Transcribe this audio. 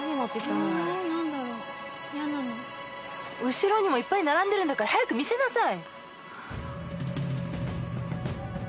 後ろにもいっぱい並んでるんだから早く見せなさい。